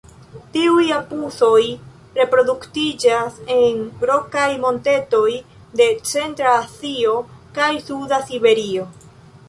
Tiuj apusoj reproduktiĝas en rokaj montetoj de centra Azio kaj suda Siberio.